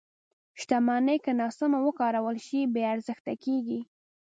• شتمني که ناسمه وکارول شي، بې ارزښته کېږي.